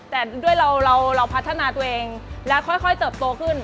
แต่ด้วยเราพัฒนาตัวเองและค่อยเติบโตขึ้น